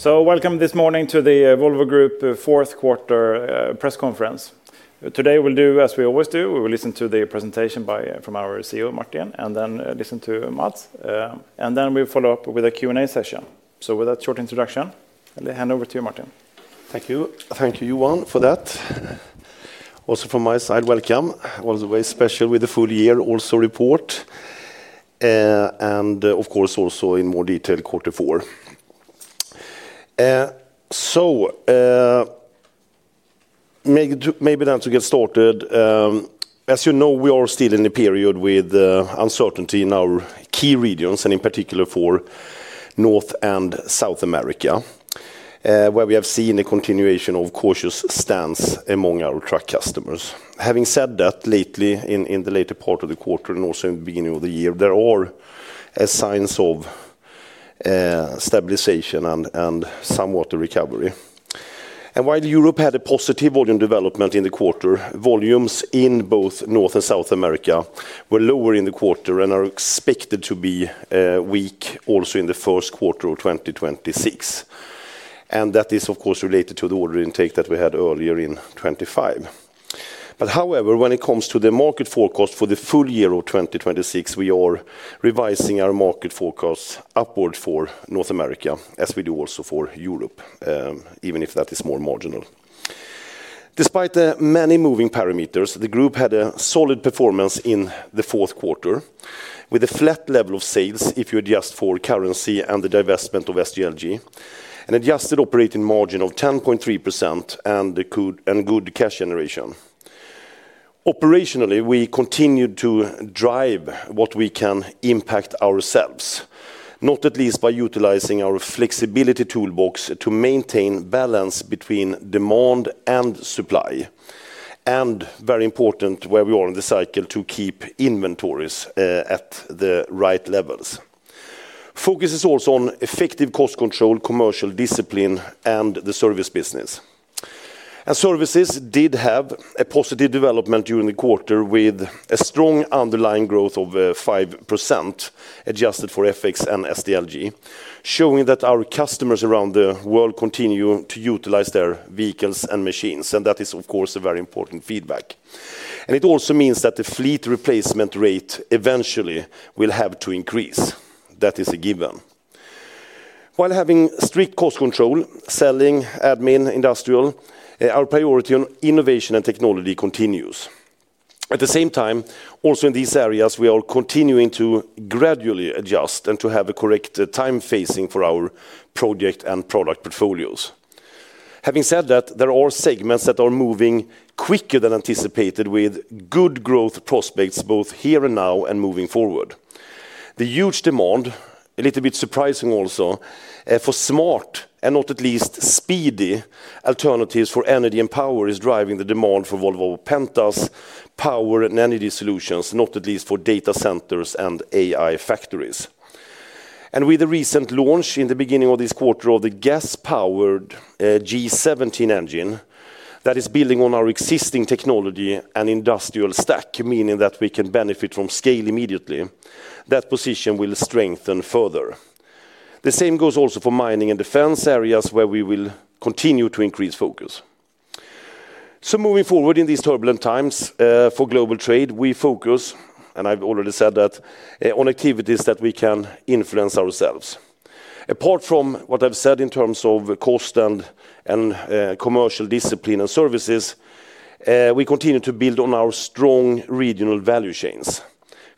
So, welcome this morning to the Volvo Group fourth quarter press conference. Today, we'll do as we always do, we will listen to the presentation by our CEO, Martin, and then listen to Mats. And then we follow up with a Q&A session. So, with that short introduction, I'll hand over to you, Martin. Thank you. Thank you, Johan, for that. Also from my side, welcome. Always very special with the full year also report, and of course, also in more detail, quarter four. So, maybe then to get started, as you know, we are still in a period with uncertainty in our key regions, and in particular for North and South America, where we have seen a continuation of cautious stance among our truck customers. Having said that, lately, in the later part of the quarter and also in the beginning of the year, there are signs of stabilization and somewhat a recovery. And while Europe had a positive volume development in the quarter, volumes in both North and South America were lower in the quarter and are expected to be weak also in the first quarter of 2026. And that is, of course, related to the order intake that we had earlier in 2025. But however, when it comes to the market forecast for the full year of 2026, we are revising our market forecast upward for North America, as we do also for Europe, even if that is more marginal. Despite the many moving parameters, the group had a solid performance in the fourth quarter, with a flat level of sales if you adjust for currency and the divestment of SDLG, an adjusted operating margin of 10.3%, and a good, and good cash generation. Operationally, we continued to drive what we can impact ourselves, not at least by utilizing our flexibility toolbox to maintain balance between demand and supply, and very important, where we are in the cycle to keep inventories at the right levels. Focus is also on effective cost control, commercial discipline, and the service business. And services did have a positive development during the quarter, with a strong underlying growth of 5%, adjusted for FX and SDLG, showing that our customers around the world continue to utilize their vehicles and machines, and that is, of course, a very important feedback. And it also means that the fleet replacement rate eventually will have to increase. That is a given. While having strict cost control, selling, admin, industrial, our priority on innovation and technology continues. At the same time, also in these areas, we are continuing to gradually adjust and to have the correct time phasing for our project and product portfolios. Having said that, there are segments that are moving quicker than anticipated, with good growth prospects, both here and now and moving forward. The huge demand, a little bit surprising also, for smart, and not at least speedy, alternatives for energy and power is driving the demand for Volvo Penta's power and energy solutions, not at least for data centers and AI factories. And with the recent launch in the beginning of this quarter of the gas-powered G17 engine, that is building on our existing technology and industrial stack, meaning that we can benefit from scale immediately, that position will strengthen further. The same goes also for mining and defense areas, where we will continue to increase focus. So moving forward in these turbulent times for global trade, we focus, and I've already said that, on activities that we can influence ourselves. Apart from what I've said in terms of cost and commercial discipline and services, we continue to build on our strong regional value chains,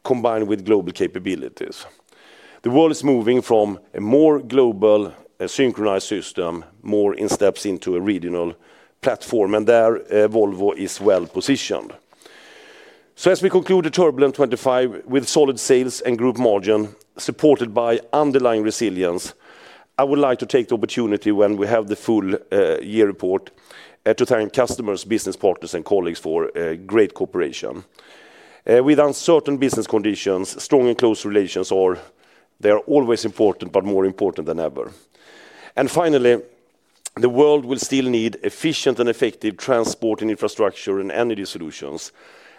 combined with global capabilities. The world is moving from a more global, synchronized system, more in steps into a regional platform, and there, Volvo is well-positioned. So as we conclude the turbulent 2025 with solid sales and group margin, supported by underlying resilience, I would like to take the opportunity when we have the full year report to thank customers, business partners, and colleagues for a great cooperation. With uncertain business conditions, strong and close relations are... They are always important, but more important than ever. And finally, the world will still need efficient and effective transport and infrastructure and energy solutions,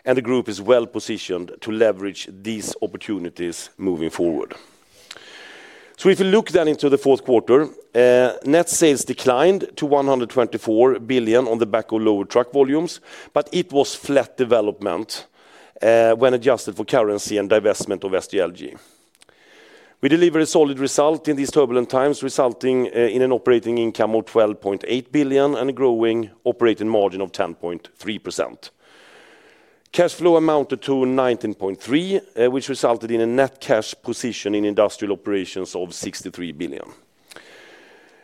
and the group is well-positioned to leverage these opportunities moving forward. So if you look then into the fourth quarter, net sales declined to 124 billion on the back of lower truck volumes, but it was flat development, when adjusted for currency and divestment of SDLG. We delivered a solid result in these turbulent times, resulting in an operating income of 12.8 billion and a growing operating margin of 10.3%. Cash flow amounted to 19.3 billion, which resulted in a net cash position in industrial operations of 63 billion.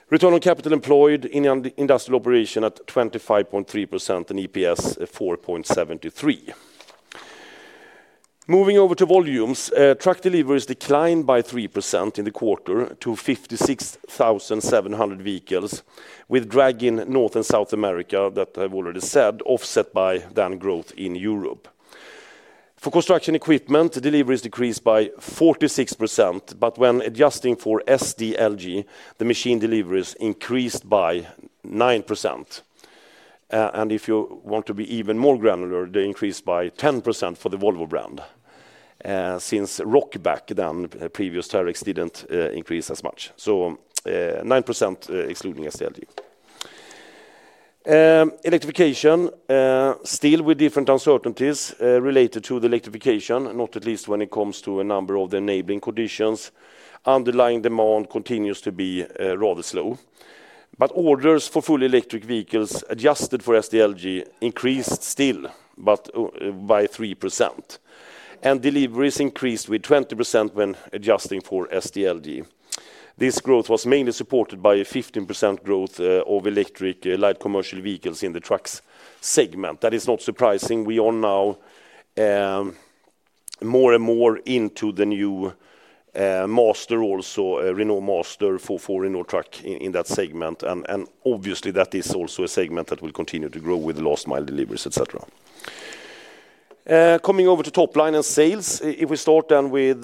Return on capital employed in industrial operation at 25.3% and EPS at 4.73%. Moving over to volumes, truck deliveries declined by 3% in the quarter to 56,700 vehicles, with drag in North and South America, that I've already said, offset by then growth in Europe. For construction equipment, deliveries decreased by 46%, but when adjusting for SDLG, the machine deliveries increased by 9%. And if you want to be even more granular, they increased by 10% for the Volvo brand. Since Rokbak then, previous Terex didn't increase as much. So, 9%, excluding SDLG. Electrification still with different uncertainties related to the electrification, not least when it comes to a number of the enabling conditions. Underlying demand continues to be rather slow. But orders for fully electric vehicles, adjusted for SDLG, increased still, but by 3%. And deliveries increased with 20% when adjusting for SDLG. This growth was mainly supported by a 15% growth of electric light commercial vehicles in the trucks segment. That is not surprising. We are now more and more into the new Master, also Renault Master for Renault Trucks in that segment, and obviously, that is also a segment that will continue to grow with last mile deliveries, et cetera. Coming over to top line and sales, if we start then with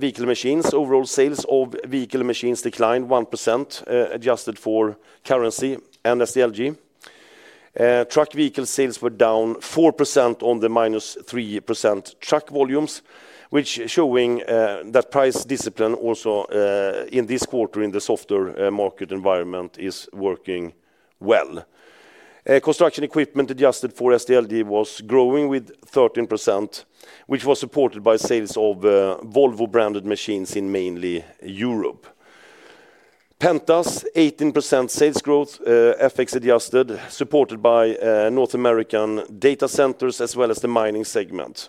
vehicle machines, overall sales of vehicle machines declined 1%, adjusted for currency and SDLG. Truck vehicle sales were down 4% on the -3% truck volumes, which showing that price discipline also in this quarter, in the softer market environment, is working well. Construction equipment, adjusted for SDLG, was growing with 13%, which was supported by sales of Volvo-branded machines in mainly Europe. Penta's 18% sales growth, FX-adjusted, supported by North American data centers, as well as the mining segment.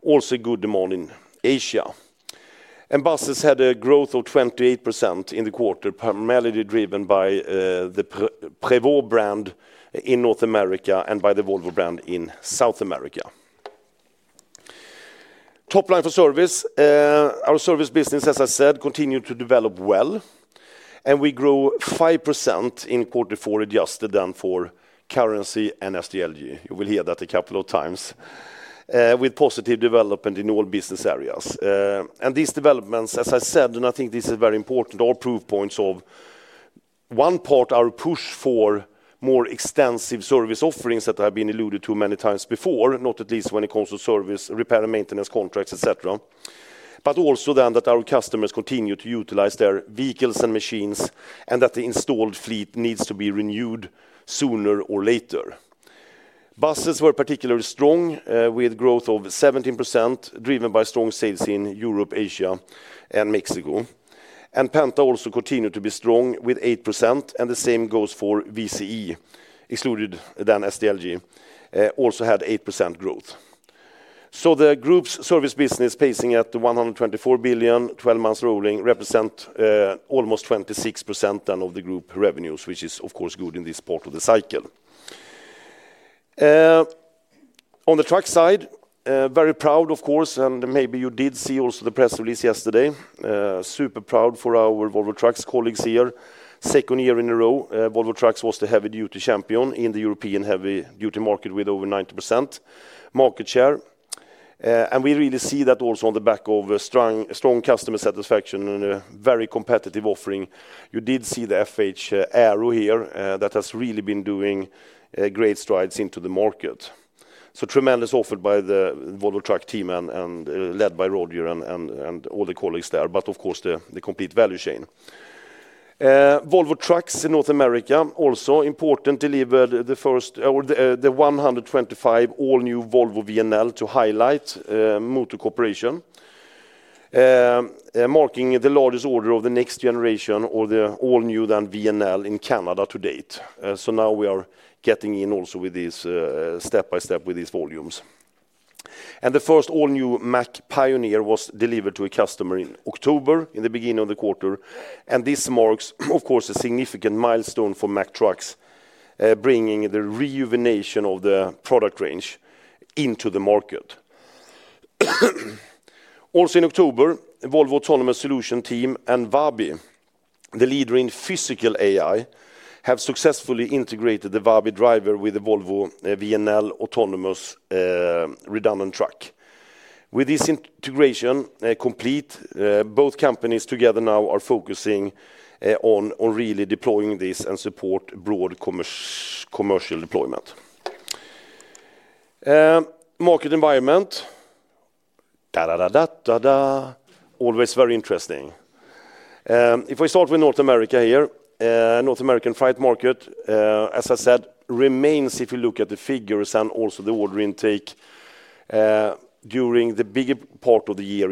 Also, good demand in Asia. Buses had a growth of 28% in the quarter, primarily driven by the Prevost brand in North America and by the Volvo brand in South America. Top line for service. Our service business, as I said, continued to develop well, and we grew 5% in quarter four, adjusted then for currency and SDLG. You will hear that a couple of times. With positive development in all business areas. And these developments, as I said, and I think this is very important, are proof points of one part, our push for more extensive service offerings that have been alluded to many times before, not at least when it comes to service, repair, and maintenance contracts, et cetera. But also then that our customers continue to utilize their vehicles and machines, and that the installed fleet needs to be renewed sooner or later. Buses were particularly strong, with growth of 17%, driven by strong sales in Europe, Asia, and Mexico. And Penta also continued to be strong with 8%, and the same goes for VCE, excluded then SDLG, also had 8% growth. So the group's service business, pacing at 124 billion, twelve months rolling, represent, almost 26% then of the group revenues, which is, of course, good in this part of the cycle. On the truck side, very proud, of course, and maybe you did see also the press release yesterday. Super proud for our Volvo Trucks colleagues here. Second year in a row, Volvo Trucks was the heavy-duty champion in the European heavy-duty market, with over 90% market share. And we really see that also on the back of a strong, strong customer satisfaction and a very competitive offering. You did see the FH Aero here, that has really been doing great strides into the market. So tremendous offered by the Volvo Trucks team and led by Roger and all the colleagues there, but of course, the complete value chain. Volvo Trucks in North America, also important, delivered the first of the 125 all-new Volvo VNL to Highlight Motor Corporation, marking the largest order of the next generation or the all-new then VNL in Canada to date. So now we are getting in also with these, step by step with these volumes. And the first all-new Mack Pioneer was delivered to a customer in October, in the beginning of the quarter, and this marks, of course, a significant milestone for Mack Trucks, bringing the rejuvenation of the product range into the market. Also in October, Volvo Autonomous Solutions team and Waabi, the leader in physical AI, have successfully integrated the Waabi Driver with the Volvo VNL Autonomous redundant truck. With this integration complete, both companies together now are focusing on really deploying this and support broad commercial deployment. Market environment always very interesting. If we start with North America here, North American freight market, as I said, remains in recession if you look at the figures and also the order intake during the bigger part of the year.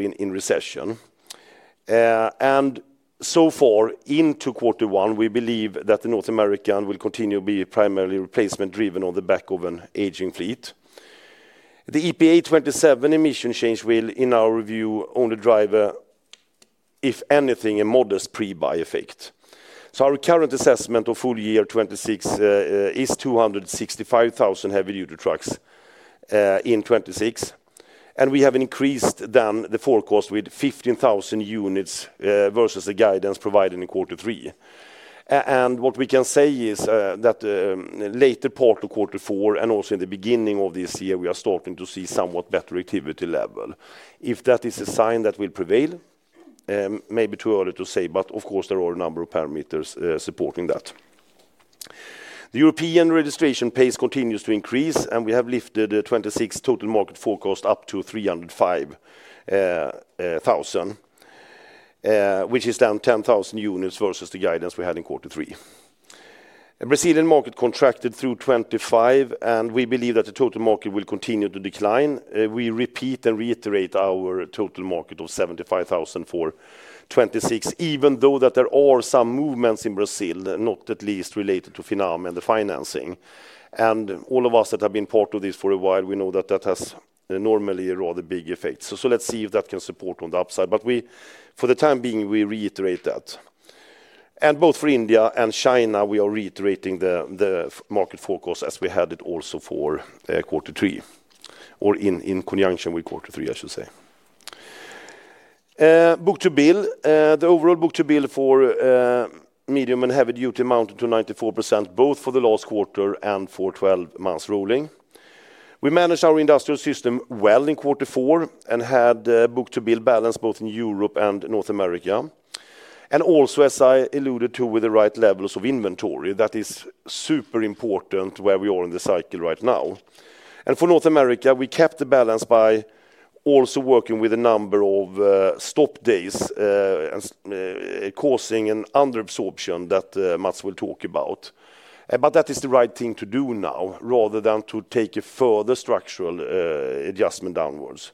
And so far into quarter one, we believe that the North American will continue to be primarily replacement-driven on the back of an aging fleet. The EPA 2027 emission change will, in our view, only drive if anything a modest pre-buy effect. So our current assessment of full year 2026 is 265,000 heavy-duty trucks in 2026, and we have increased then the forecast with 15,000 units versus the guidance provided in quarter three. What we can say is that later part of quarter four and also in the beginning of this year, we are starting to see somewhat better activity level. If that is a sign that will prevail? Maybe too early to say, but of course, there are a number of parameters supporting that. The European registration pace continues to increase, and we have lifted the 2026 total market forecast up to 305,000 units, which is down 10,000 units versus the guidance we had in quarter three. The Brazilian market contracted through 2025, and we believe that the total market will continue to decline. We repeat and reiterate our total market of 75,000 units for 2026, even though that there are some movements in Brazil, not least related to Finame and the financing. All of us that have been part of this for a while, we know that that has normally a rather big effect. So let's see if that can support on the upside. But we, for the time being, we reiterate that. And both for India and China, we are reiterating the market forecast as we had it also for quarter three, or in conjunction with quarter three, I should say. Book-to-bill, the overall book-to-bill for medium- and heavy-duty amounted to 94%, both for the last quarter and for 12 months rolling. We managed our industrial system well in quarter four and had book-to-bill balance both in Europe and North America. And also, as I alluded to, with the right levels of inventory, that is super important where we are in the cycle right now. For North America, we kept the balance by also working with a number of stop days as causing an under absorption that Mats will talk about. But that is the right thing to do now, rather than to take a further structural adjustment downwards.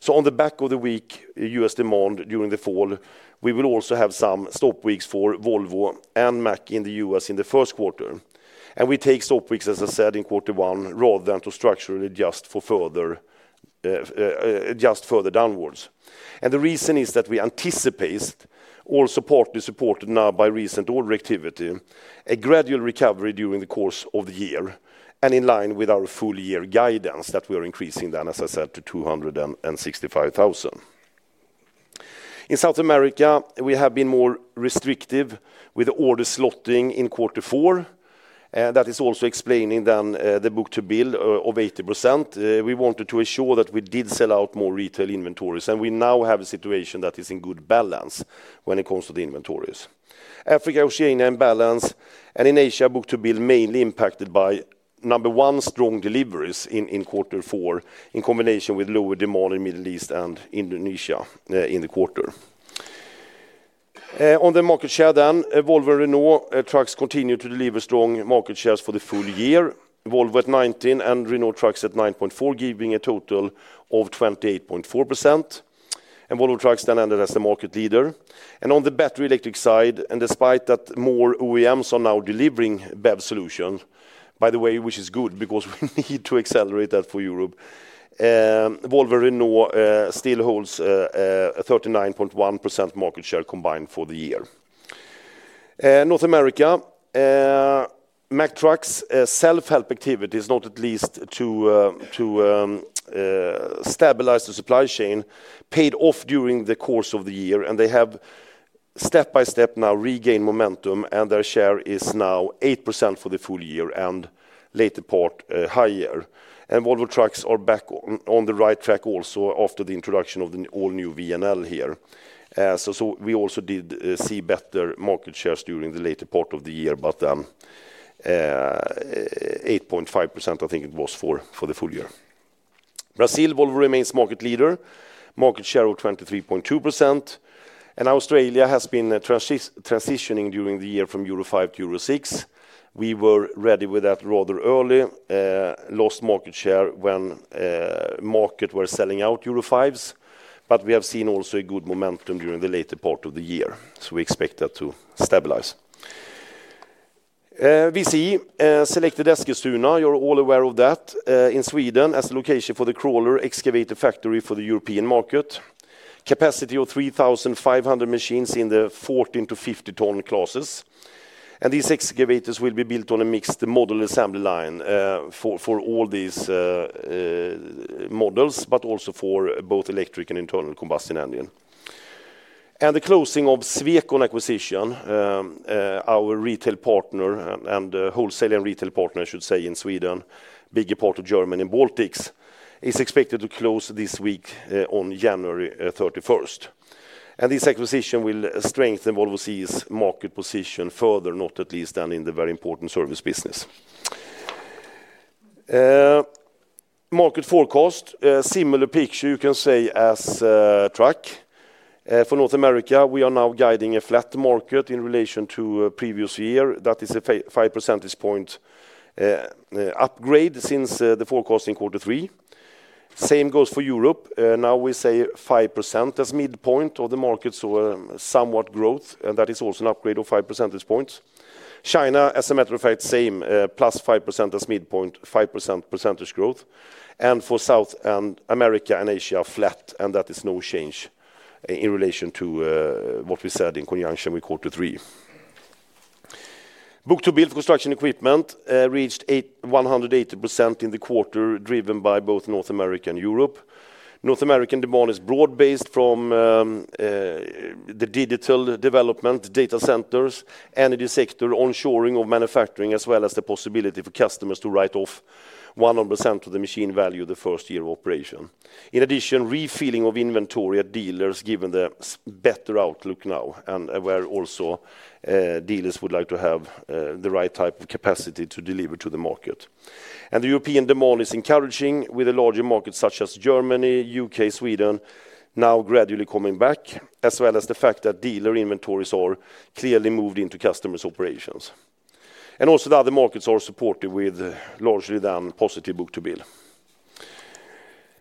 So on the back of the weak U.S. demand during the fall, we will also have some stop weeks for Volvo and Mack in the U.S. in the first quarter. And we take stop weeks, as I said, in quarter one, rather than to structurally adjust for further adjust further downwards. And the reason is that we anticipate all support is supported now by recent order activity, a gradual recovery during the course of the year, and in line with our full year guidance, that we are increasing then, as I said, to 265,000 units. In South America, we have been more restrictive with order slotting in quarter four, that is also explaining then, the book-to-bill of 80%. We wanted to ensure that we did sell out more retail inventories, and we now have a situation that is in good balance when it comes to the inventories. Africa, Oceania in balance, and in Asia, book-to-bill mainly impacted by, number one, strong deliveries in quarter four, in combination with lower demand in Middle East and Indonesia, in the quarter. On the market share then, Volvo Renault Trucks continue to deliver strong market shares for the full year. Volvo at 19%, and Renault Trucks at 9.4%, giving a total of 28.4%, and Volvo Trucks then ended as the market leader. On the battery electric side, despite that more OEMs are now delivering BEV solution, by the way, which is good because we need to accelerate that for Europe, Volvo Renault still holds a 39.1% market share combined for the year. North America, Mack Trucks self-help activities, not least to stabilize the supply chain, paid off during the course of the year, and they have step-by-step now regained momentum, and their share is now 8% for the full year, and later part higher. Volvo Trucks are back on the right track also after the introduction of the all-new VNL here. So, so we also did see better market shares during the later part of the year, but 8.5%, I think it was for the full year. Brazil, Volvo remains market leader, market share of 23.2%, and Australia has been transitioning during the year from Euro five to Euro six. We were ready with that rather early, lost market share when market were selling out Euro fives, but we have seen also a good momentum during the later part of the year, so we expect that to stabilize. We've selected Eskilstuna, you're all aware of that, in Sweden, as the location for the crawler excavator factory for the European market. Capacity of 3,500 machines in the 14-50 ton classes. These excavators will be built on a mixed model assembly line, for all these models, but also for both electric and internal combustion engine. The closing of Swecon acquisition, our retail partner and wholesale and retail partner, I should say, in Sweden, bigger part of Germany and Baltics, is expected to close this week, on January thirty-first. This acquisition will strengthen Volvo CE's market position further, not at least than in the very important service business. Market forecast, a similar picture you can say as truck. For North America, we are now guiding a flat market in relation to previous year. That is a five percentage point upgrade since the forecast in quarter three. Same goes for Europe. Now we say 5% as midpoint of the market, so, somewhat growth, and that is also an upgrade of five percentage points. China, as a matter of fact, same, +5% as midpoint, 5% percentage growth. And for South America and Asia, flat, and that is no change in relation to, what we said in conjunction with quarter three. Book-to-bill construction equipment reached 180% in the quarter, driven by both North America and Europe. North American demand is broad-based from the digital development data centers, energy sector, onshoring of manufacturing, as well as the possibility for customers to write off 100% of the machine value the first year of operation. In addition, refilling of inventory at dealers, given the better outlook now, and where also, dealers would like to have, the right type of capacity to deliver to the market. And the European demand is encouraging, with a larger market such as Germany, U.K., Sweden, now gradually coming back, as well as the fact that dealer inventories are clearly moved into customers' operations. And also, the other markets are supported with largely than positive book-to-bill.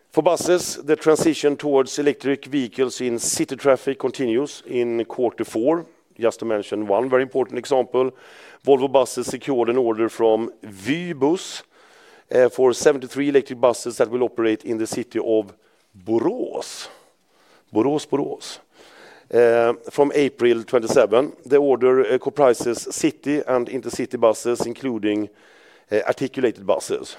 For buses, the transition towards electric vehicles in city traffic continues in quarter four. Just to mention one very important example, Volvo Buses secured an order from Vy Buss, for 73 electric buses that will operate in the city of Borås. Borås, Borås. From April 2027, the order, comprises city and intercity buses, including, articulated buses.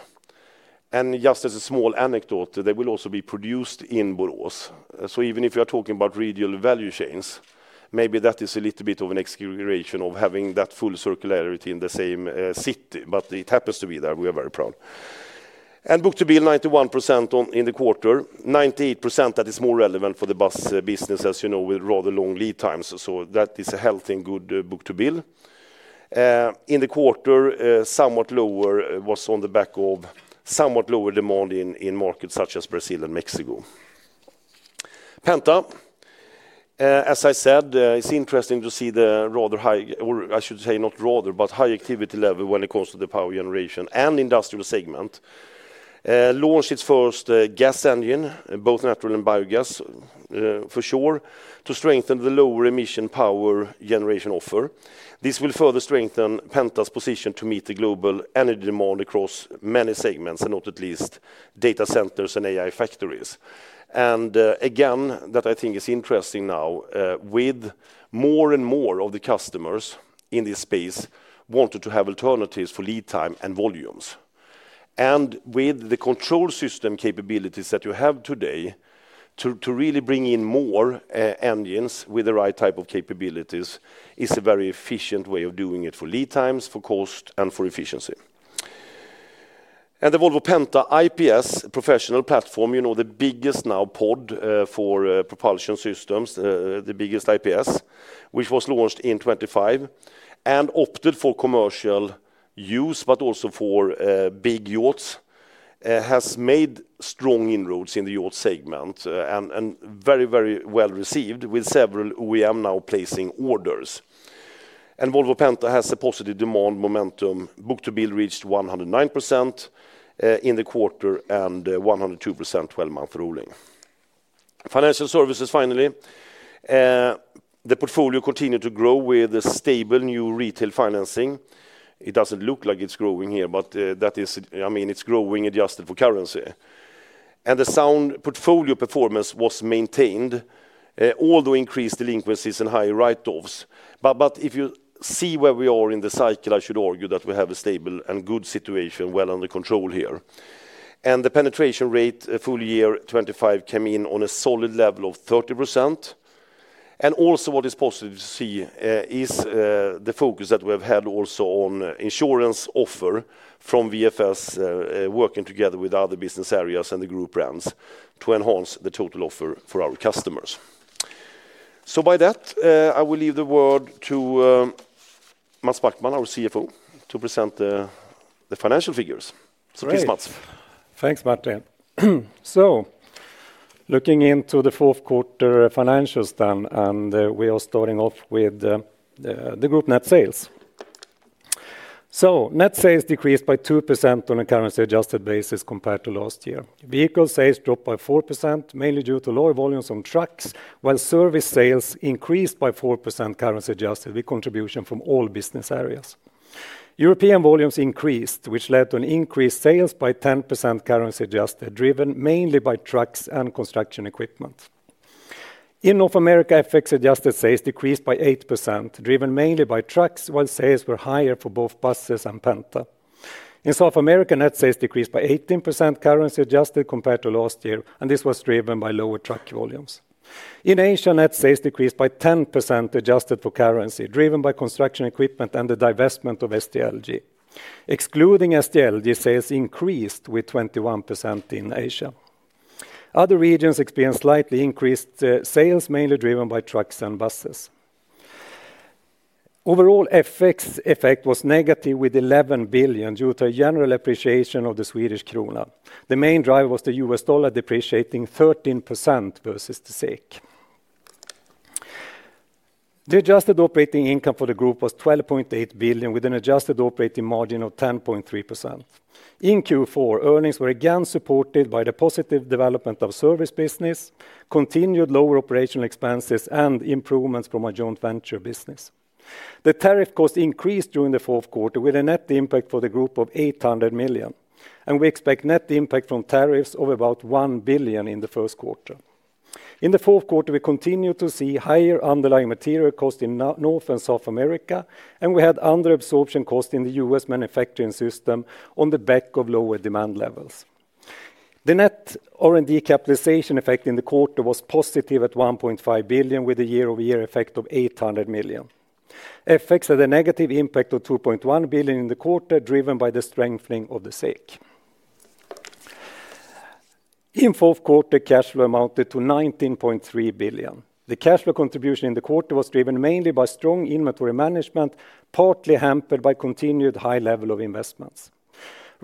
And just as a small anecdote, they will also be produced in Borås. So even if you are talking about regional value chains, maybe that is a little bit of an exaggeration of having that full circularity in the same city, but it happens to be there. We are very proud. And book-to-bill, 91% on, in the quarter, 98%, that is more relevant for the bus business, as you know, with rather long lead times. So that is a healthy and good book-to-bill. In the quarter, somewhat lower was on the back of somewhat lower demand in markets such as Brazil and Mexico. Penta, as I said, it's interesting to see the rather high, or I should say, not rather, but high activity level when it comes to the power generation and industrial segment. Launched its first gas engine, both natural and biogas, for sure, to strengthen the lower emission power generation offer. This will further strengthen Penta's position to meet the global energy demand across many segments, and not least data centers and AI factories. And, again, that I think is interesting now, with more and more of the customers in this space wanting to have alternatives for lead time and volumes. And with the control system capabilities that you have today, to, to really bring in more engines with the right type of capabilities is a very efficient way of doing it for lead times, for cost, and for efficiency. The Volvo Penta IPS professional platform, you know, the biggest now pod for propulsion systems, the biggest IPS, which was launched in 2025 and adopted for commercial use, but also for big yachts, has made strong inroads in the yacht segment, and very, very well-received, with several OEMs now placing orders. And Volvo Penta has a positive demand momentum. Book-to-bill reached 109% in the quarter, and 102% twelve-month rolling. Financial services, finally. The portfolio continued to grow with a stable new retail financing. It doesn't look like it's growing here, but that is... I mean, it's growing, adjusted for currency. And the sound portfolio performance was maintained, although increased delinquencies and high write-offs. But if you see where we are in the cycle, I should argue that we have a stable and good situation, well under control here. And the penetration rate, full year 2025, came in on a solid level of 30%. And also, what is positive to see, is the focus that we've had also on insurance offer from VFS, working together with other business areas and the group brands to enhance the total offer for our customers. So by that, I will leave the word to Mats Backman, our CFO, to present the financial figures. So please, Mats. Thanks, Martin. Looking into the fourth quarter financials then, and we are starting off with the group net sales. Net sales decreased by 2% on a currency-adjusted basis compared to last year. Vehicle sales dropped by 4%, mainly due to lower volumes on trucks, while service sales increased by 4% currency adjusted, with contribution from all business areas. European volumes increased, which led to an increased sales by 10% currency adjusted, driven mainly by trucks and construction equipment. In North America, FX-adjusted sales decreased by 8%, driven mainly by trucks, while sales were higher for both buses and Penta. In South America, net sales decreased by 18%, currency adjusted, compared to last year, and this was driven by lower truck volumes. In Asia, net sales decreased by 10%, adjusted for currency, driven by construction equipment and the divestment of SDLG. Excluding SDLG, sales increased with 21% in Asia. Other regions experienced slightly increased sales, mainly driven by trucks and buses. Overall, FX effect was negative with 11 billion, due to a general appreciation of the Swedish krona. The main drive was the US dollar depreciating 13% versus the SEK. The adjusted operating income for the group was 12.8 billion, with an adjusted operating margin of 10.3%. In Q4, earnings were again supported by the positive development of service business, continued lower operational expenses, and improvements from our joint venture business. The tariff cost increased during the fourth quarter, with a net impact for the group of 800 million, and we expect net impact from tariffs of about 1 billion in the first quarter. In the fourth quarter, we continued to see higher underlying material cost in North and South America, and we had under absorption cost in the U.S. manufacturing system on the back of lower demand levels. The net R&D capitalization effect in the quarter was positive at 1.5 billion, with a year-over-year effect of 800 million. FX had a negative impact of 2.1 billion in the quarter, driven by the strengthening of the SEK. In fourth quarter, cash flow amounted to 19.3 billion. The cash flow contribution in the quarter was driven mainly by strong inventory management, partly hampered by continued high level of investments.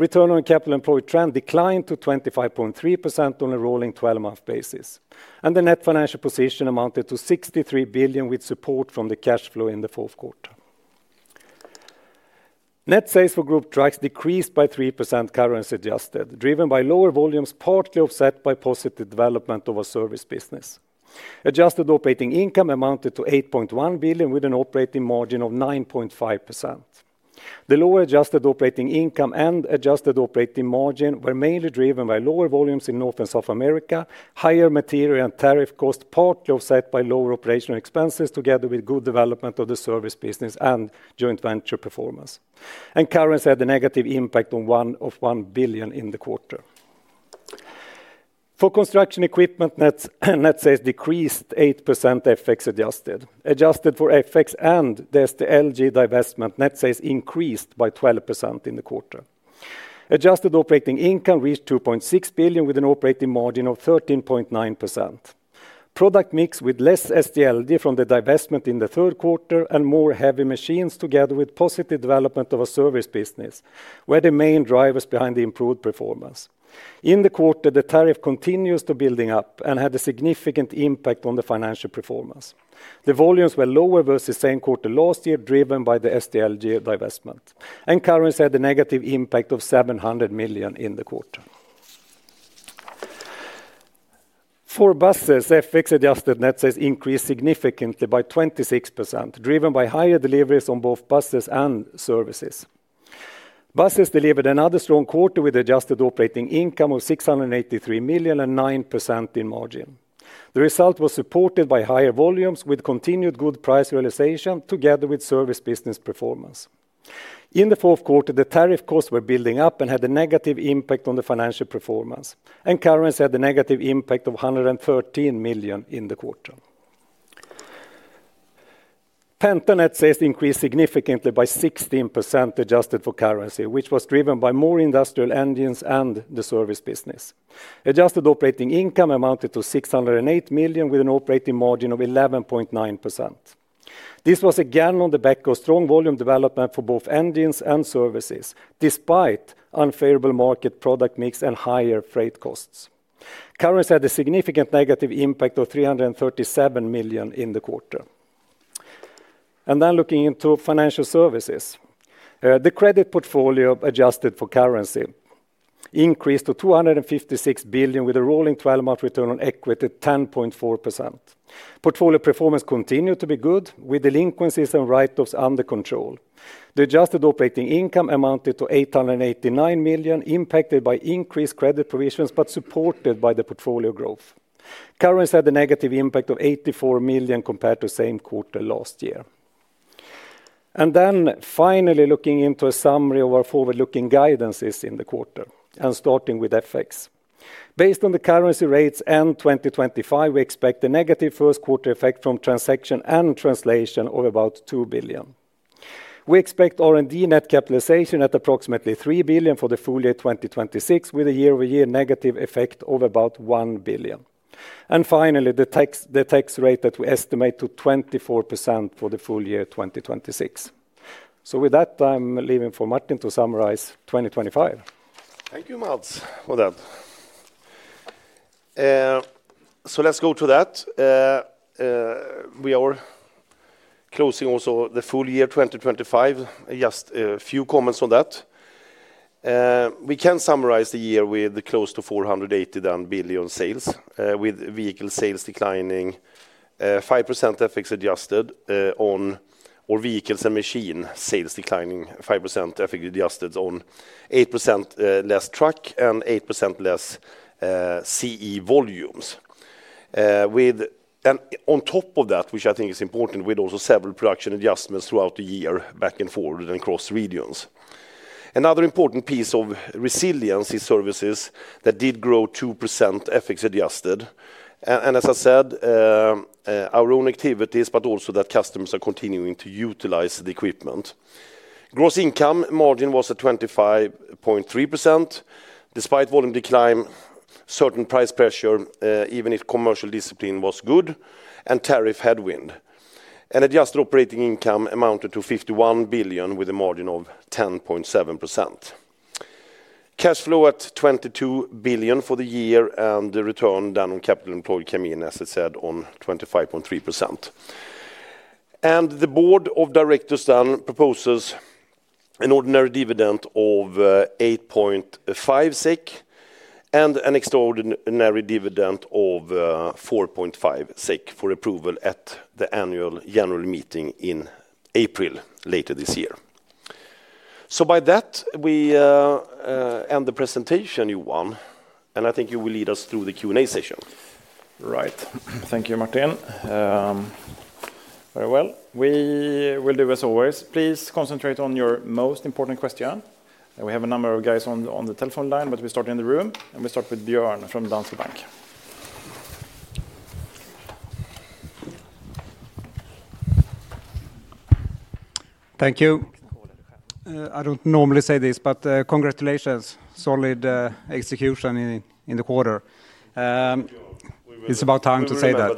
Return on capital employed trend declined to 25.3% on a rolling 12-month basis, and the net financial position amounted to 63 billion, with support from the cash flow in the fourth quarter. Net sales for group trucks decreased by 3% currency adjusted, driven by lower volumes, partly offset by positive development of our service business. Adjusted operating income amounted to 8.1 billion, with an operating margin of 9.5%. The lower adjusted operating income and adjusted operating margin were mainly driven by lower volumes in North and South America, higher material and tariff cost, partly offset by lower operational expenses, together with good development of the service business and joint venture performance. Currency had a negative impact of 1.1 billion in the quarter. For construction equipment, net sales decreased 8% FX adjusted. Adjusted for FX and the SDLG divestment, net sales increased by 12% in the quarter. Adjusted operating income reached 2.6 billion, with an operating margin of 13.9%. Product mix with less SDLG from the divestment in the third quarter and more heavy machines, together with positive development of a service business, were the main drivers behind the improved performance. In the quarter, the tariff continued to build up and had a significant impact on the financial performance. The volumes were lower versus same quarter last year, driven by the SDLG divestment, and currency had a negative impact of 700 million in the quarter. For buses, FX adjusted net sales increased significantly by 26%, driven by higher deliveries on both buses and services. Buses delivered another strong quarter with adjusted operating income of 683 million and 9% in margin. The result was supported by higher volumes, with continued good price realization together with service business performance. In the fourth quarter, the tariff costs were building up and had a negative impact on the financial performance, and currency had a negative impact of 113 million in the quarter. Penta net sales increased significantly by 16%, adjusted for currency, which was driven by more industrial engines and the service business. Adjusted operating income amounted to 608 million, with an operating margin of 11.9%. This was again on the back of strong volume development for both engines and services, despite unfavorable market product mix and higher freight costs. Currency had a significant negative impact of 337 million in the quarter. Looking into financial services, the credit portfolio, adjusted for currency, increased to 256 billion, with a rolling twelve-month return on equity, 10.4%. Portfolio performance continued to be good, with delinquencies and write-offs under control. The adjusted operating income amounted to 889 million, impacted by increased credit provisions, but supported by the portfolio growth. Currency had a negative impact of 84 million compared to same quarter last year. Finally, looking into a summary of our forward-looking guidances in the quarter, and starting with FX. Based on the currency rates end 2025, we expect a negative first quarter effect from transaction and translation of about 2 billion. We expect R&D net capitalization at approximately 3 billion for the full year 2026, with a year-over-year negative effect of about 1 billion. Finally, the tax, the tax rate that we estimate to 24% for the full year 2026. With that, I'm leaving for Martin to summarize 2025. Thank you, Mats, for that. So let's go to that. We are closing also the full year 2025. Just a few comments on that. We can summarize the year with close to 480 billion sales, with vehicle sales declining 5% FX adjusted, or vehicles and machine sales declining 5% FX adjusted on 8% less truck and 8% less CE volumes. And on top of that, which I think is important, with also several production adjustments throughout the year, back and forward and across regions. Another important piece of resiliency services that did grow 2% FX adjusted, and as I said, our own activities, but also that customers are continuing to utilize the equipment. Gross income margin was at 25.3%, despite volume decline, certain price pressure, even if commercial discipline was good, and tariff headwind. Adjusted operating income amounted to 51 billion, with a margin of 10.7%. Cash flow at 22 billion for the year, and the return then on capital employed came in, as I said, on 25.3%. The board of directors then proposes an ordinary dividend of 8.5 SEK and an extraordinary dividend of 4.5 SEK for approval at the annual general meeting in April, later this year. By that, we end the presentation, Johan, and I think you will lead us through the Q&A session. Right. Thank you, Martin. Very well. We will do as always, please concentrate on your most important question. We have a number of guys on, on the telephone line, but we start in the room, and we start with Björn from Danske Bank. Thank you. I don't normally say this, but, congratulations. Solid execution in the quarter. It's about time to say that.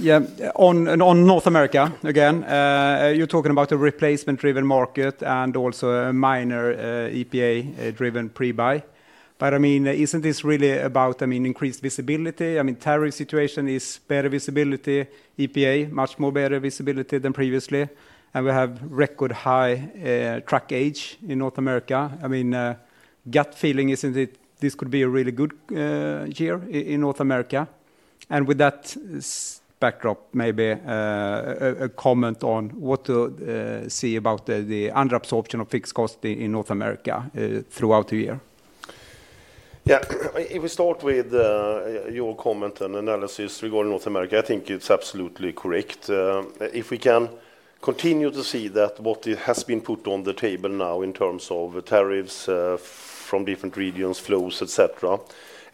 Yeah, on North America, again, you're talking about a replacement-driven market and also a minor EPA driven pre-buy. But I mean, isn't this really about, I mean, increased visibility? I mean, tariff situation is better visibility, EPA, much more better visibility than previously, and we have record high truck age in North America. I mean, gut feeling, isn't it, this could be a really good year in North America? And with that backdrop, maybe a comment on what to see about the underabsorption of fixed cost in North America throughout the year? Yeah. If we start with your comment and analysis regarding North America, I think it's absolutely correct. If we can continue to see that what has been put on the table now in terms of tariffs from different regions, flows, et cetera,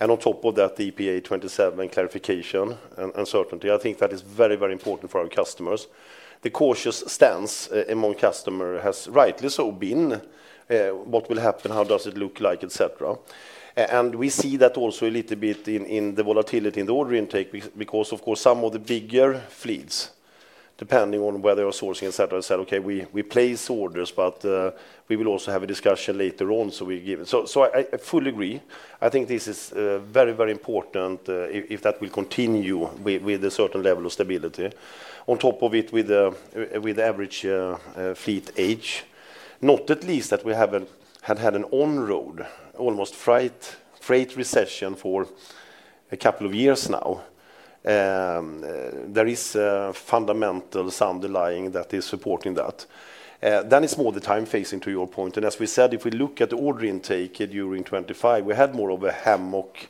and on top of that, the EPA 2027 clarification and uncertainty, I think that is very, very important for our customers. The cautious stance among customers has rightly so been what will happen, how does it look like, et cetera. And we see that also a little bit in the volatility in the order intake because, of course, some of the bigger fleets, depending on where they are sourcing, et cetera, said, "Okay, we place orders, but we will also have a discussion later on, so we give it." So I fully agree. I think this is very, very important, if that will continue with a certain level of stability. On top of it, with average fleet age, not at least that we haven't had an on-road, almost freight recession for a couple of years now. There is a fundamental underlying that is supporting that. That is more the time phasing to your point. And as we said, if we look at the order intake during 2025, we had more of a hammock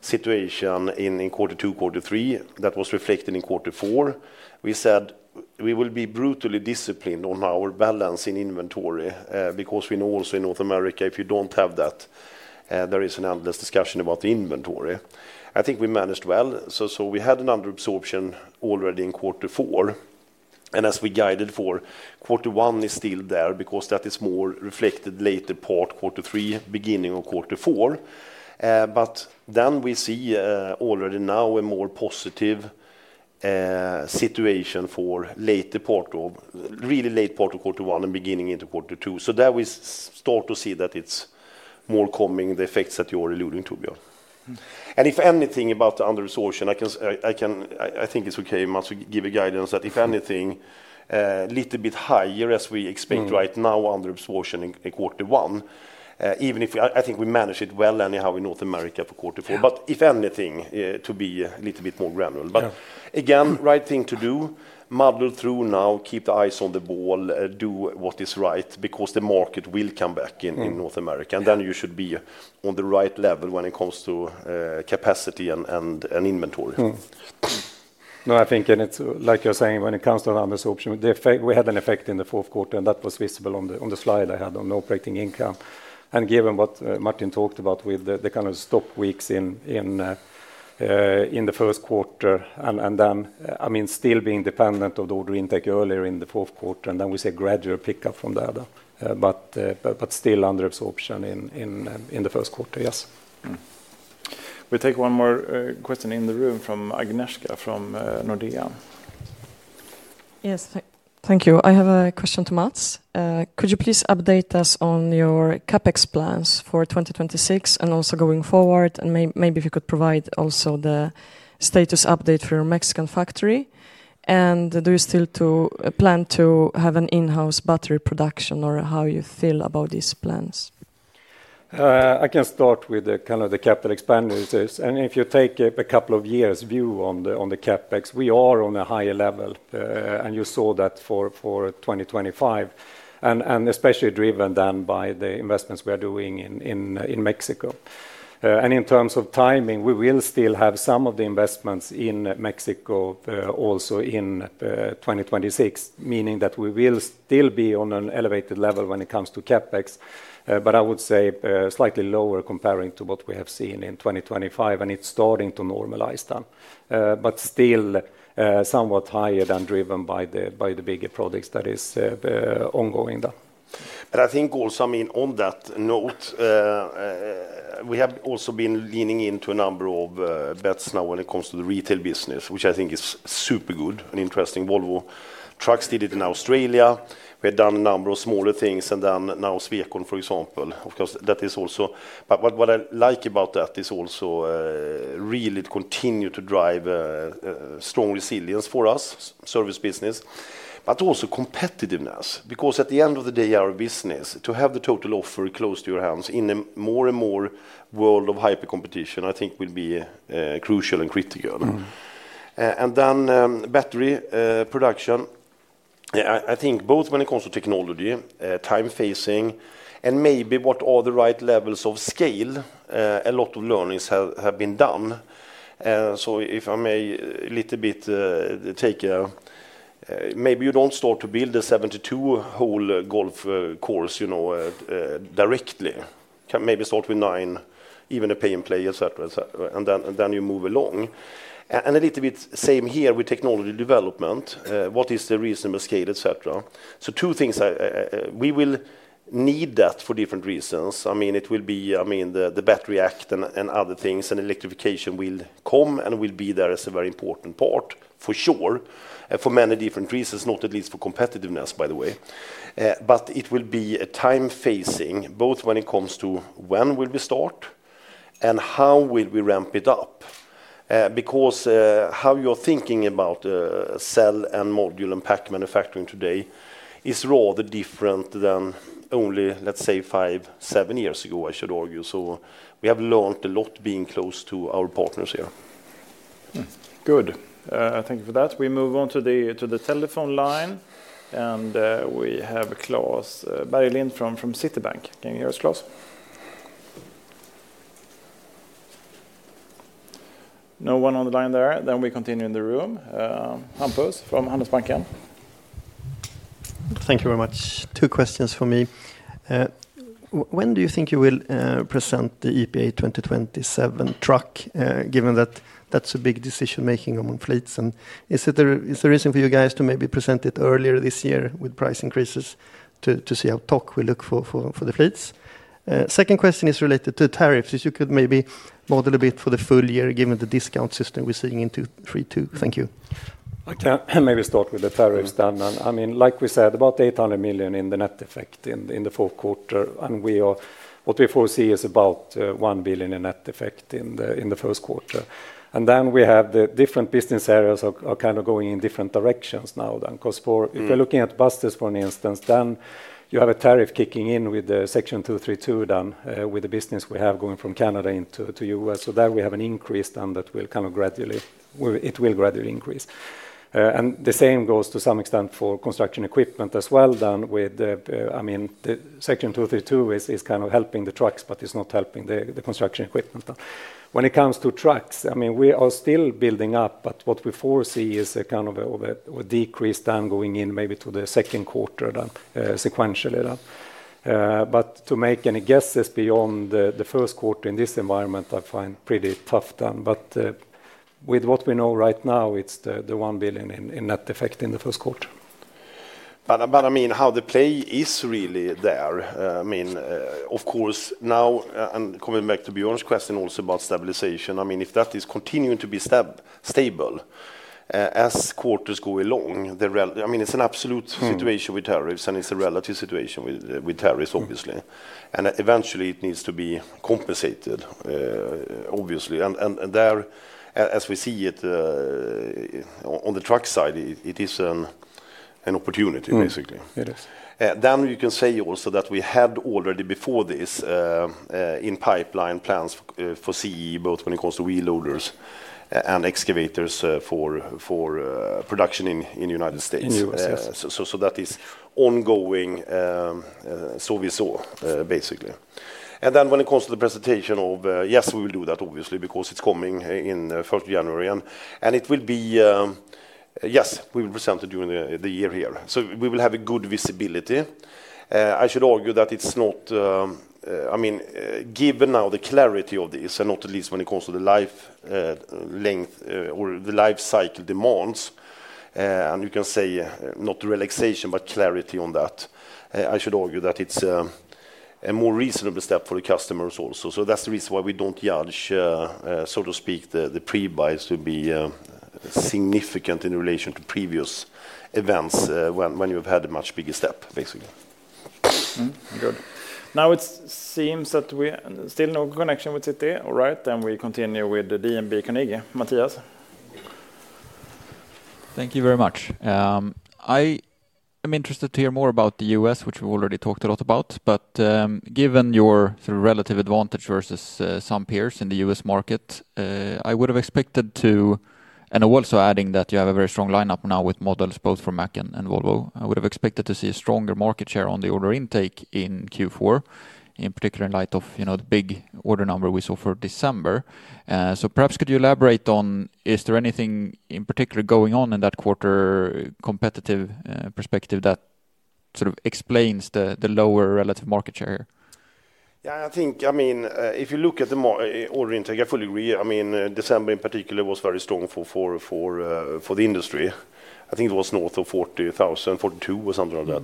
situation in quarter two, quarter three, that was reflected in quarter four. We said we will be brutally disciplined on our balance in inventory, because we know also in North America, if you don't have that, there is an endless discussion about the inventory. I think we managed well. So we had an underabsorption already in quarter four, and as we guided for, quarter one is still there because that is more reflected later part, quarter three, beginning of quarter four. But then we see already now a more positive situation for later part, really late part of quarter one and beginning into quarter two. So there we start to see that it's more coming, the effects that you are alluding to, Björn. And if anything, about the underabsorption, I can, I think it's okay, Mats, we give a guidance that if anything, little bit higher as we expect right now underabsorption in quarter one, even if I think we managed it well anyhow in North America for quarter four If anything, to be a little bit more granular. But again, right thing to do, muddle through now, keep the eyes on the ball, do what is right, because the market will come back in North America, and then you should be on the right level when it comes to, capacity and inventory. Mm. No, I think, and it's like you're saying, when it comes to underabsorption, the effect—we had an effect in the fourth quarter, and that was visible on the slide I had on operating income. And given what Martin talked about with the kind of stop weeks in the first quarter, and then, I mean, still being dependent on the order intake earlier in the fourth quarter, and then we see a gradual pickup from that. But still underabsorption in the first quarter, yes. We take one more question in the room from Agnieszka, from Nordea. Yes, thank you. I have a question to Mats. Could you please update us on your CapEx plans for 2026 and also going forward? And maybe if you could provide also the status update for your Mexican factory. And do you still to plan to have an in-house battery production, or how you feel about these plans? I can start with the kind of capital expenditures. If you take a couple of years view on the CapEx, we are on a higher level, and you saw that for 2025, and especially driven then by the investments we are doing in Mexico. In terms of timing, we will still have some of the investments in Mexico also in 2026, meaning that we will still be on an elevated level when it comes to CapEx, but I would say slightly lower comparing to what we have seen in 2025, and it's starting to normalize then. But still, somewhat higher than driven by the bigger projects that is ongoing then. And I think also, I mean, on that note, we have also been leaning into a number of, bets now when it comes to the retail business, which I think is super good and interesting. Volvo Trucks did it in Australia. We have done a number of smaller things, and then now Swecon, for example. Of course, that is also... But what I like about that is also, really to continue to drive, strong resilience for us, service business, but also competitiveness, because at the end of the day, our business, to have the total offer close to your hands in a more and more world of hyper competition, I think will be, crucial and critical. Mm. And then, battery production, I think both when it comes to technology, time phasing, and maybe what are the right levels of scale, a lot of learnings have been done. So if I may, a little bit, take a, maybe you don't start to build a 72-hole golf course, you know, directly. Can maybe start with nine, even a pay-and-play, et cetera, et cetera, and then, and then you move along. And a little bit same here with technology development, what is the reasonable scale, et cetera? So two things, we will need that for different reasons. I mean, it will be, I mean, the Battery Act and other things, and electrification will come and will be there as a very important part, for sure, for many different reasons, not at least for competitiveness, by the way. But it will be a time phasing, both when it comes to when will we start and how will we ramp it up? Because how you're thinking about cell and module and pack manufacturing today is rather different than only, let's say, five to seven years ago, I should argue. So we have learned a lot being close to our partners here. Good. Thank you for that. We move on to the telephone line, and we have Klas Bergelind from Citibank. Can you hear us, Klas? No one on the line there. Then we continue in the room. Hampus from Handelsbanken. Thank you very much. Two questions for me. When do you think you will present the EPA 2027 truck, given that that's a big decision-making among fleets? And is there a reason for you guys to maybe present it earlier this year with price increases to see how tariffs look for the fleets? Second question is related to tariffs. If you could maybe model a bit for the full year, given the discount system we're seeing in Section 232. Thank you. I can maybe start with the tariffs done. I mean, like we said, about 800 million in the net effect in the fourth quarter, and we are- what we foresee is about 1 billion in net effect in the first quarter. And then we have the different business areas are kind of going in different directions now then. Because for if you're looking at buses, for instance, then you have a tariff kicking in with the Section 232, then, with the business we have going from Canada into the US. So there we have an increase, then that will kind of gradually, well, it will gradually increase. And the same goes to some extent for construction equipment as well. I mean, the Section 232 is kind of helping the trucks, but it's not helping the construction equipment. When it comes to trucks, I mean, we are still building up, but what we foresee is a kind of a decreasing downturn in maybe the second quarter, then, sequentially, then. But to make any guesses beyond the first quarter in this environment, I find pretty tough. But, with what we know right now, it's the 1 billion in net effect in the first quarter. But I mean, how the play is really there, I mean, of course, now, and coming back to Björn's question also about stabilization, I mean, if that is continuing to be stable, as quarters go along, the rel... I mean, it's an absolute situation with tariffs, and it's a relative situation with tariffs, obviously. Mm. Eventually, it needs to be compensated, obviously. And there, as we see it, on the truck side, it is an opportunity, basically. Hmm, it is. Then you can say also that we had already, before this, in pipeline plans for CE, both when it comes to wheel loaders and excavators, for production in United States. In U.S., yes. So, that is ongoing, so we saw, basically. And then when it comes to the presentation of... Yes, we will do that, obviously, because it's coming in first January, and it will be... Yes, we will present it during the year here. So we will have a good visibility. I should argue that it's not, I mean, given now the clarity of this, and not least when it comes to the life length, or the life cycle demands, and you can say, not relaxation, but clarity on that, I should argue that it's a more reasonable step for the customers also. So that's the reason why we don't judge, so to speak, the pre-buys to be significant in relation to previous events, when you've had a much bigger step, basically. Hmm, good. Now, it seems that we... Still no connection with Citibank. All right, then we continue with the DNB Carnegie. Mattias? Thank you very much. I am interested to hear more about the U.S., which we've already talked a lot about. But, given your sort of relative advantage versus some peers in the U.S. market, I would have expected to... And also adding that you have a very strong lineup now with models both from Mack and Volvo. I would have expected to see a stronger market share on the order intake in Q4, in particular, in light of, you know, the big order number we saw for December. So perhaps could you elaborate on, is there anything in particular going on in that quarter, competitive perspective, that sort of explains the lower relative market share? Yeah, I think, I mean, if you look at the market order intake, I fully agree. I mean, December, in particular, was very strong for the industry. I think it was north of 40,000, 42,000 or something like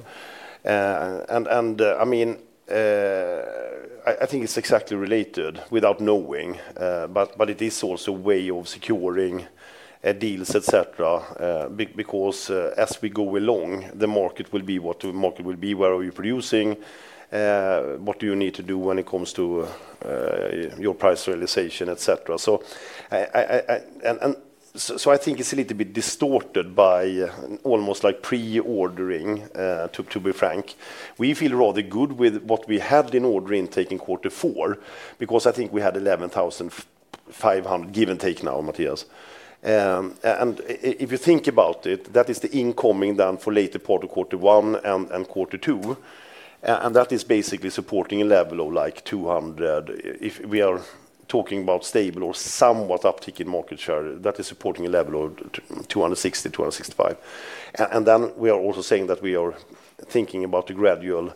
that. And I mean, I think it's exactly related without knowing, but it is also a way of securing deals, et cetera, because as we go along, the market will be what the market will be. Where are we producing? What do you need to do when it comes to your price realization, et cetera? So I and so I think it's a little bit distorted by almost like pre-ordering to be frank. We feel rather good with what we had in order in taking quarter four, because I think we had 11,500, give and take now, Mattias. And if you think about it, that is the incoming down for later part of quarter one and quarter two, and that is basically supporting a level of, like, 200. If we are talking about stable or somewhat uptick in market share, that is supporting a level of 260, 265. And then we are also saying that we are thinking about a gradual